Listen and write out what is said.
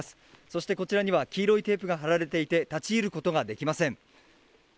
そしてこちらには黄色いテープが張られていて、立ち入ることができません。